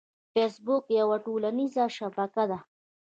فېسبوک یوه ټولنیزه شبکه ده